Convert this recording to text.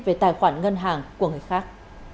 về tài khoản ngân hàng của người khác